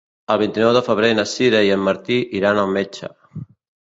El vint-i-nou de febrer na Sira i en Martí iran al metge.